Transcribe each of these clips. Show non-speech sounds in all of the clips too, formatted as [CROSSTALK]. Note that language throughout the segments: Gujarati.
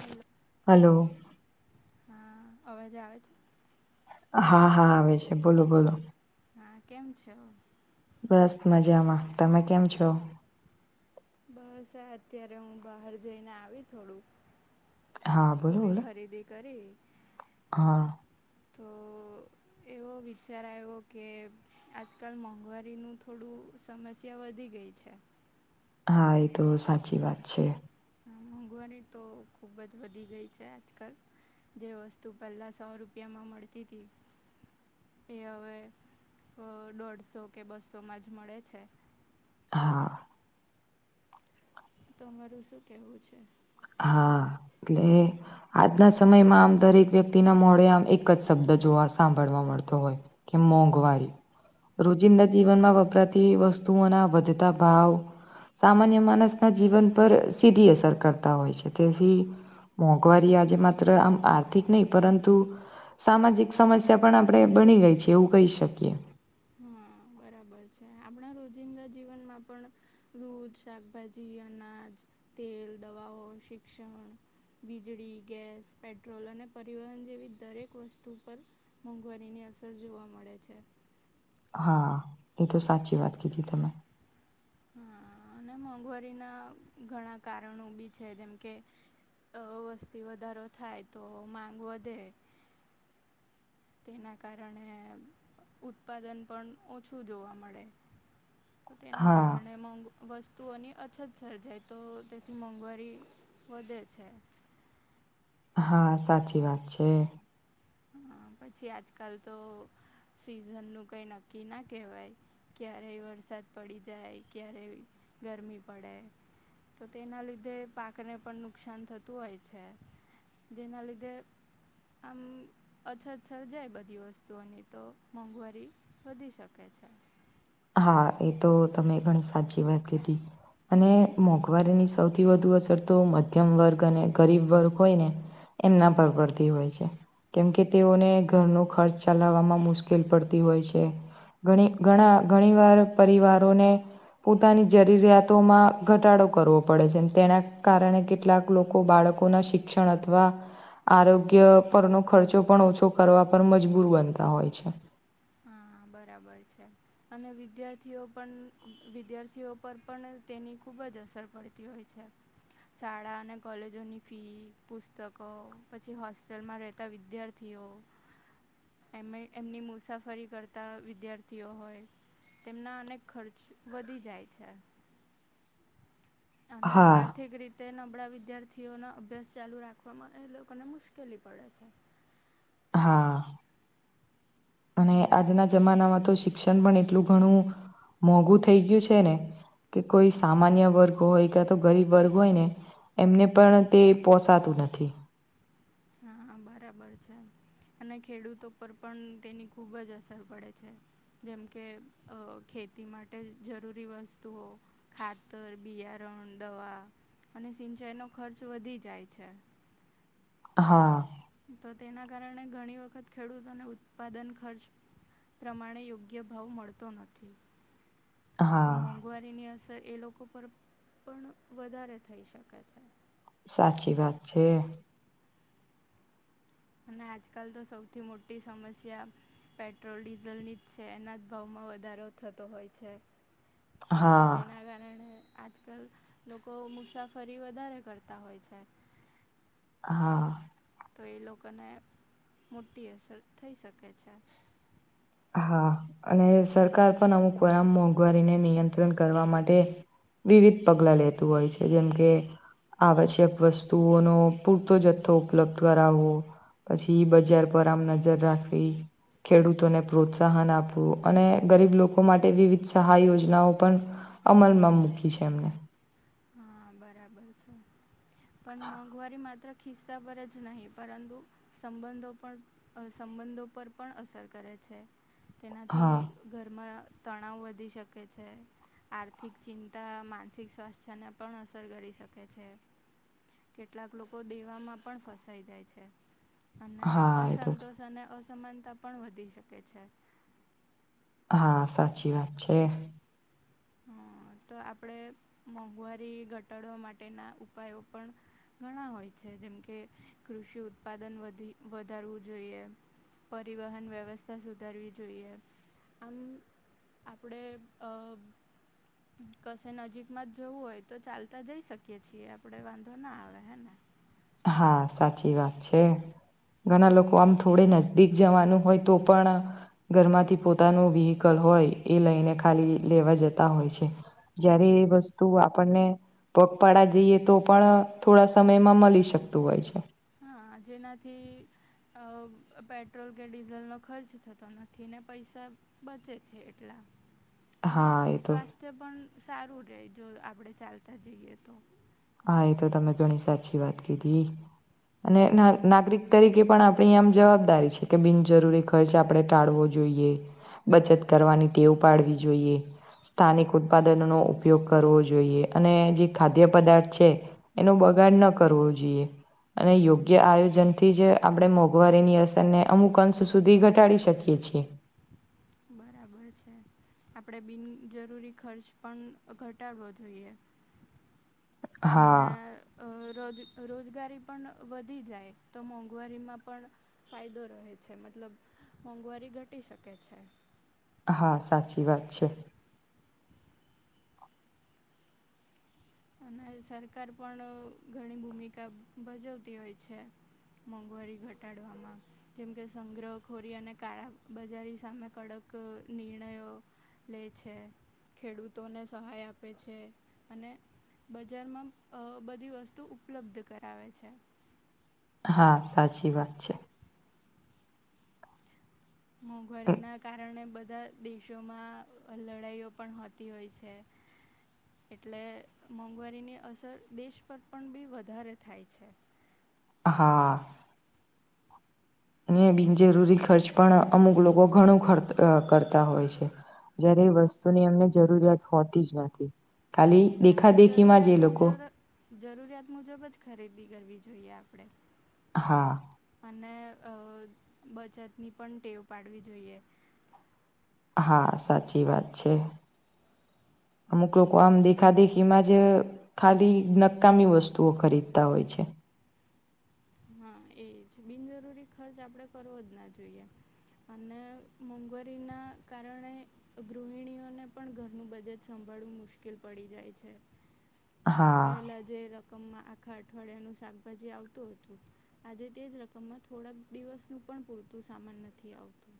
હલો. હલો હા અવાજ આવે છે? હા, હા આવે છે. બોલો-બોલો. હા, કેમ છો? બસ મજામાં. તમે કેમ છો? બસ આ અત્યારે હું બહાર જઈને આવી થોડું. હા, થોડી બોલો-બોલો. ખરીદી કરી હા. તો એવો વિચાર આયવો કે આજકાલ મોંઘવારીનું થોડું સમસ્યા વધી ગઈ છે. હા એ તો સાચી વાત છે. હા મોંઘવારી તો ખૂબ જ વધી ગઈ છે આજકાલ. જે વસ્તુ પહેલા સો રૂપિયામાં મળતી તી, એ હવે અહ દોઢસો કે બસો માં જ મળે છે. હા. તમારું શું કહેવું છે? હા, એટલે આજના સમયમાં આમ દરેક વ્યક્તિના મોડે આમ એક જ શબ્દ જોવા સાંભળવા મળતો હોય કે મોંઘવારી. રોજિંદા જીવનમાં વપરાતી વસ્તુઓના વધતા ભાવ સામાન્ય માણસના જીવન પર સીધી અસર કર તા હોય છે, તેથી મોંઘવારી આજે માત્ર આમ આર્થિક નહીં પરંતુ સામાજિક સમસ્યા પણ આપણે બની ગઈ છે એવું કહી શકીએ. હા બરાબર છે. આપણા રોજિંદા જીવનમાં પણ દૂધ, શાકભાજી, અનાજ, તેલ, દવાઓ, શિક્ષણ વીજળી, ગેસ, પેટ્રોલ, અને પરિવહન જેવી દરેક વસ્તુ પર મોંઘવારીની અસર જોવા મળે છે. હા. એ તો સાચી વાત કીધી તમે. હા અને મોંઘવારીના ઘણા કારણો બી છે જેમ કે અહ વસ્તી વધારો થાય તો માંગ વધે. તેના કારણે ઉત્પાદન પણ ઓછું જોવા મળે. તો તેના હા કારણે મ વસ્તુઓની અછત સર્જાય તો તેથી મોંઘવારી વધે છે હા સાચી વાત છે હા પછી આજકાલ તો સીઝનનુંું કઈ નક્કી ના કહેવાય ક્યારેય વરસાદ પડી જાય, ક્યારેય ગરમી પડે તો તેના લીધે પાકને પણ નુકસાન થતું હોય છે. જેના લીધે આમ અછત સર્જાય બધી વસ્તુઓની તો મોંઘવારી વધી શકે છે. હા એ તો તમે ઘણી સાચી વાત કીધી. અને મોંઘવારીની સૌથી વધુ અસર તો મધ્યમ વર્ગ અને ગરીબ વર્ગ હોય ને એમના પર પડતી હોય છે કેમકે તેઓને ઘરનો ખર્ચ ચલાવવામાં મુશ્કેલ પડતી હોય છે ઘણી ઘણા ઘણીવાર પરિવારોને પોતાની જરૂરિયાતોમાં ઘટાડો કરવો પડે છે અને તેના કારણે કેટલાક લોકો બાળકોના શિક્ષણ અથવા આરોગ્ય પરનો ખર્ચો પણ ઓછો કરવા પર મજબૂર બનતા હોય છે હા બરાબર છે અને વિદ્યાર્થીઓ પણ વિદ્યાર્થીઓ પર પણ તેની ખૂબ જ અસર પડી અ હોય છે શાળા અને કોલેજોની ફી પુસ્તકો પછી હોસ્ટેલમાં રહેતા વિદ્યાર્થી એમની મુસાફરી ફરી કરતાં વિદ્યાર્થીઓ હોય તેમના અનેક ખર્ચ વધી જાય છે અને હા આર્થિક રીતે તે નબળા વિદ્યાર્થીઓના અભ્યાસ ચાલુ રાખવામાં એ લોકોને મુશ્કેલી પડે છે હા અને આજના જમાનામાં તો શિક્ષણ પણ એટલું ઘણું મોંઘું થઈ ગયું છે ને કે કોઈ સામાન્ય વર્ગ હોય કે તો ગરીબ વર્ગ હોય ને એમને પણ તે પોસાતું નથી હા હ બરાબર છે અને ખેડૂતો પર પણ તેની ખુબ જ અસર પડે છે જેમ કે ખેતી માટે જરૂરી વસ્તુઓ ખાતર બિયારણ દવા અને સિંચાઈનો ખર્ચ વધી જાય છે હા તો તેના કારણે ઘણી વખત ખેડૂતોને ઉત્પાદન ખર્ચ પ્રમાણે યોગ્ય ભાવ મળતો નથી તો હા મોંઘવારીની અસર એ લોકો પર પણ વધારે થઈ શકે છે સાચી વાત છે અને આજકાલ તો સૌથી મોટી સમસ્યા પેટ્રોલ ડીઝલની જ છે એના જ ભાવમાં વધારો થતો હોય છે તો હા તેના કારણે આજકાલ લોકો મુસાફરી વધારે કરતા હોય છે હા તો એ લોકોને મોટી અસર થઈ શકે છે હા અને સરકાર પણ અમુક વરામ મોંઘવારીને નિયંત્રણ કરવા માટે વિવિધ પગલા લેતું હોય છે જેમ કે આવશ્યક વસ્તુઓનો પૂરતો જથ્થો ઉપલબ્ધ કરાવવો પછી બજાર પર આમ નજર રાખવી ખેડૂતોને પ્રોત્સાહન આપવું અને ગરીબ લોકો માટે વિવિધ સહાય યોજનાઓ પણ અમલમાં મૂકી છે એમને હા બરાબર છે પણ મોંઘવારી માત્ર ખિસ્સા પર જ નહીં પરંતુ સંબંધો પણ સંબંધો પર પણ અસર કરે છે તેનાથી હા ઘરમાં તણાવ વધી શકે છે આર્થિક ચિંતા માનસિક સ્વાસ્થ્ય તેને પણ અસર કરી શકે છે. કેટલાક લોકો દેવામાં પણ ફસાઈ જાય છે અને હા એ તો છે. અસંતોષ અને અસમાનતા પણ વધી શકે છે હા સાચી વાત છે હ તો આપણે મોંઘવારી ઘટાડવા માટેના ઉપાયો પણ- ઘણા હોય છે જેમકે કૃષિ ઉત્પાદન વધી વધારવું જોઈએ- પરિવહન વ્યવસ્થા સુધારવી જોઈએ આમ- આપણે- કશે નજીકમાં જ જવું હોય તો ચાલતા જઈ શકીએ છીએ આપડે વાંધો ના આવે હેને- હા સાચી વાત છે ઘણા લોકો આમ- થોડે નજદીક જવાનું હોય તો પણ- ઘરમાંથી પોતાનું વ્હકલ હોય એ લઈને ખાલી લેવા જતા હોય છે. જયારે એ વસ્તુ આપણને પગપાળા જઈએ તો પણ થોડા સમયમાં મળી શકે- સત્તું હોય છે- હા જેનાથી- પેટ્રોલ કે ડીઝલનો ખર્ચ થતો નથી. ને પૈસા- બચે છે એટલા- અને હા એ તો સ્વાસ્થ્ય પણ સારું રહે જો આપણે ચાલતા જઈએ તો- હા એ તો તમે ઘણી સાચી વાત કીધી- અને નાગરિક તરીકે પણ આપણી આમ જવાબદારી છે કે બિનજરૂરી ખ- ખર્ચ આપણે ટાળવો જોઈએ બચત કરવાની ટેવ પાડવી જોઈએ- સ્થાનિક ઉત્પાદન નો ઉપયોગ કરવો જોઈએ અને જે ખાદ્ય પદાર્થ- છે એનો બગાડ ન કરવો જોઈએ અને યોગ્ય હા આયોજનથી જ- આપણે મોંઘવારીની અસરને અમુક અંશ સુધી ઘટાડી શકીએ છીએ. બરાબર છે આપણે બિનજરૂરી ખર્ચ પણ ઘટાડવો જોઈએ. હા અને- રોજ રોજગારી પણ વધી જાય તો મોંઘવારીમાં પણ- ફાયદો રહે છે મતલબ મોંઘવારી ઘટી શકે છે. હા સાચી વાત છે. અને સરકાર પણ ઘણી ભૂમિકા ભજવતી હોય છે. મોંઘવારી ઘટાડવામાં જેમકે સંગ્રહખોરી અને કાળા બજારી સામે કડક- એક નિર્ણયો- લે છે ખેડૂતોને સહાય આપે છે અને- બજારમાં બધી વસ્તુ ઉપલબ્ધ કરાવે છે. હા સાચી વાત છે. મોંઘવારીના કારણે બધા દેશોમાં લડાઈઓ પણ હોતી હોય છે. એટલે મોંઘવારીની અસર દેશ પર પણ બી વધારે થાય છે. હા- ને બિનજરૂરી ખર્ચ પણ અમુક લોકો ઘણું કરતા હોય છે. જયારે વસ્તુની એમને જરૂરિયાત હોતી જ નથી ખાલી એ જ દેખા આપણે દેખી માં જરૂરિયાત જે લોકો- મુજબ જરૂરિયાત મુજબ જ ખરીદી કરવી જોઈએ આપણે- હા- અને બચતની પણ ટેવ પાડવી જોઈએ- હા સાચી વાત છે. અમુક લોકો આમ દેખા દેખી માં જ- ખાલી નકામી વસ્તુઓ ખરીદતા હોય છે. હા, એ જ બિનજરૂરી ખર્ચ આપણેે કરવો જ ના જોઈએ. અને મોંઘવારીના કારણે, તો ગૃહિણીઓને પણ ઘરનું બજેટ સંભાળવું મુશ્કેલ પડી જાય છે, હા પહેલા જે રકમમાં આખા અઠવાડિયાનું શાકભાજી આવતું હતું, આજે તેજ રકમમાં થોડાક દિવસનું પણ પૂરતું સામાન નથી આવતું.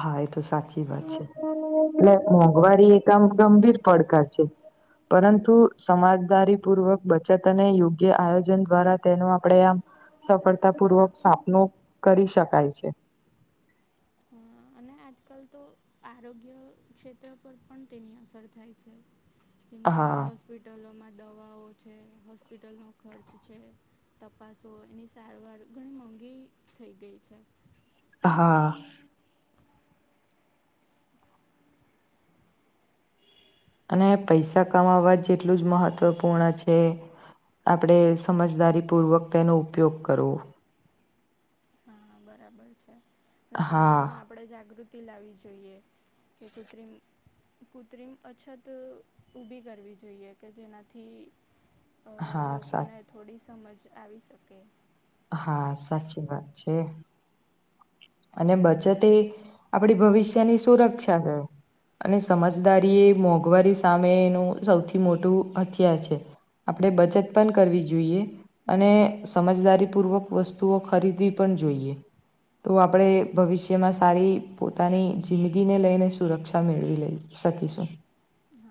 હા એ તો સાચી વાત છે એટલે મોંઘવારી એક આમ ગંભીર પડકાર છે. પરંતુ સમાજદારી પૂર્વક બચત અને યોગ્ય આયોજન દ્વારા તેનો આપણે આમ- સફળતા પૂર્વક સામનો કરી શકાય છે. હા અને આજ કલ તો- આરોગ્ય ક્ષેત્ર પર પણ તેની અસર થાય છે જેમકે- હા હોસ્પિટલોમાં દવાઓ છે હોસ્પિટલનો ખર્ચ છે. તપાસો એની સારવાર ઘણી મોંઘી થઈ ગઈ છે. હા અને પૈસા કમાવવા જે જેટલું જ મહત્વપૂર્ણ છે. આપડે સમજદારીપૂર્વક તેનો ઉપયોગ કરવો, હા, બરાબર છે અને હા સમાજમાં આપણેે જાગૃતિ લાવવી જોઈએ, કે કૃત્રિમ કૃત્રિમ અછત ઊભી કરવી જોઈએ, કે જેનાથી અ હા સા લોકોને થોડી સમજ આવી શકે, હા, સાચી વાત છે. અને બચત આપડી ભવિષ્યની સુરક્ષા છે, અને સમજદારી એ મોંઘવારી સામે એનું સૌથી મોટું હથિયાર છે, આપણે બચત પણ કરવી જોઈએ, અને સમજદારીપૂર્વક વસ્તુઓ ખરીદવી પણ જોઈએ, તો આપણે ભવિષ્યમાં સારી પોતાની જિંદગીને લઈને સુરક્ષા મેળવી લઈશ, શકીશું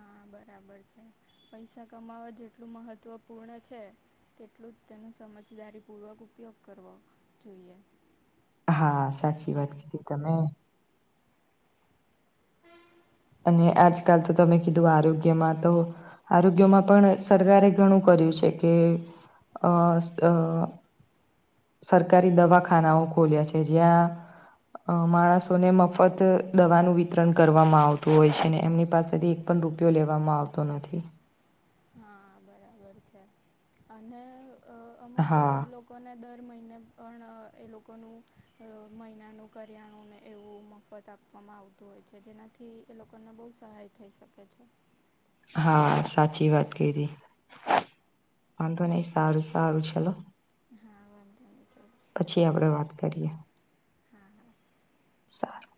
હા, બરાબર છે પૈસા કમાવા જેટલું મહત્વપૂર્ણ છે, તેટલું જ તેનું સમજદારીપૂર્વક ઉપયોગ કરવો જોઈએ, હા, સાચી વાત કીધી તમે [UNINTELLIGIBLE] અને આજકાલ તો તમે કીધું આરોગ્યમાં તો આરોગ્યમાં પણ સરકારે ઘણું કર્યું છે, કે અ સરકારી દવાખાનાઓ ખોલ્યા છે, જ્યાં અ માણસોને મફત દવાનું વિતરણ કરવામાં આવતું હોય છે, એમની પાસેથી પણ રૂપિયો લેવામાં આવતો નથી. હા, બરાબર છે, અને અમુક હા ગરીબ લોકો લોકોને દર મહિને પણ એ લોકોનું મહિનાનું કરિયાણું ને એવું મફત આપ આપવામાં આવતું હોય છે, જેનાથી એ લોકોને બહુ સહાય થઈ શકે છે. હા, સાચી વાત કરી, વાંધો નહી સારું સારું ચલો. હા, વાંધો નઈ ચાલો પછી આપણે વાત કરીએ, હા હા [UNINTELLIGIBLE]